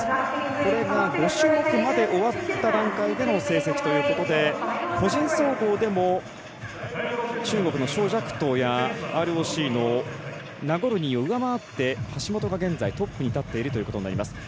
これが５種目まで終わった段階での成績ということで個人総合でも、中国の蕭若騰やＲＯＣのナゴルニーを上回って橋本が現在、トップに立っているということになります。